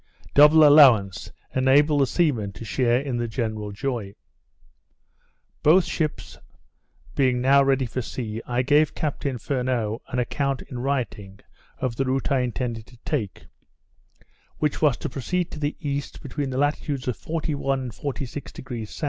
Double allowance enabled the seamen to share in the general joy. Both ships being now ready for sea, I gave Captain Furneaux an account in writing of the route I intended to take; which was to proceed to the east, between the latitudes of 41° and 46° S.